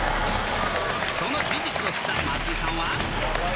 その事実を知った松井さんは？